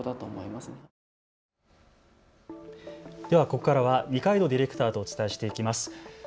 ここからは二階堂ディレクターとお伝えしていきます。